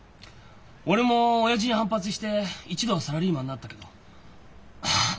俺も親父に反発して一度はサラリーマンになったけどハハッ